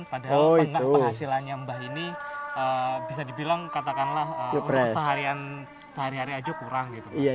padahal penghasilan mbah ini bisa dibilang katakanlah untuk sehari hari saja kurang